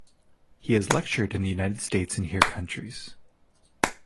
He has lectured in the United States and here countries.